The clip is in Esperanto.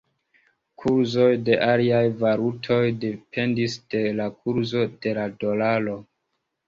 Kurzoj de aliaj valutoj dependis de la kurzo de la dolaro.